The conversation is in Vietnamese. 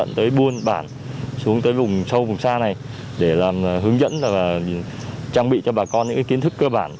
tới buôn bản xuống tới vùng sâu vùng xa này để làm hướng dẫn và trang bị cho bà con những kiến thức cơ bản